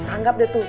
anggap deh tuh